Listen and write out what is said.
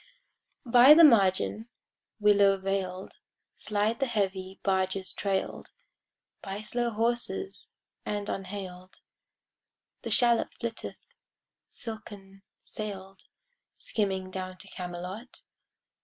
[Pg 68] By the margin, willow veil'd Slide the heavy barges trail'd By slow horses; and unhail'd The shallop flitteth silken sail'd Skimming down to Camelot.